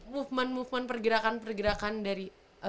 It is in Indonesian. movement movement pergerakan pergerakan dari